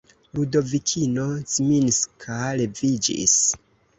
Ludovikino Zminska leviĝis.